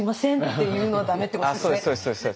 っていうのは駄目ってことですね。